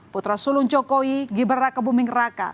putra sulung jokowi gibraka bumingraka